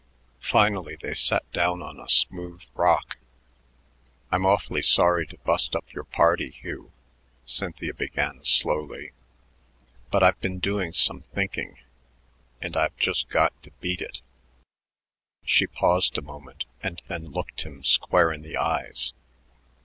Finally they sat down on a smooth rock. "I'm awfully sorry to bust up your party, Hugh," Cynthia began slowly, "but I've been doing some thinking, and I've just got to beat it." She paused a moment and then looked him square in the eyes.